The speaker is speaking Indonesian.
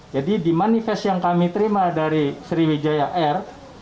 jadi di manifest yang kami terima dari sriwijaya air